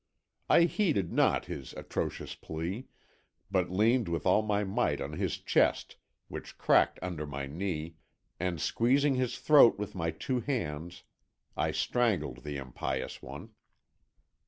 "I heeded not his atrocious plea, but leaned with all my might on his chest, which cracked under my knee, and, squeezing his throat with my two hands, I strangled the impious one.